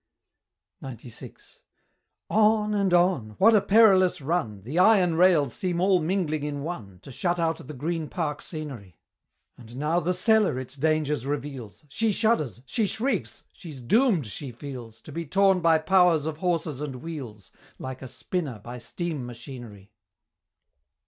XCVI. On and on! what a perilous run! The iron rails seem all mingling in one, To shut out the Green Park scenery! And now the Cellar its dangers reveals, She shudders she shrieks she's doom'd, she feels, To be torn by powers of horses and wheels, Like a spinner by steam machinery!